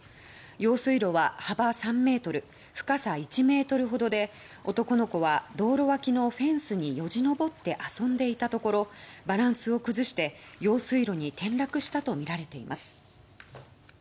用水路は幅３ｍ深さ１ｍほどで男の子は道路脇のフェンスによじ登って遊んでいたところバランスを崩して用水路に転落したとみられています。